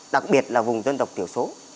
đặc biệt là vùng dân tộc thiểu số